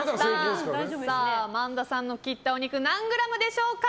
萬田さんの切ったお肉何グラムでしょうか。